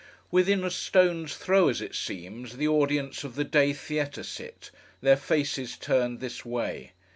Within a stone's throw, as it seems, the audience of the Day Theatre sit: their faces turned this way.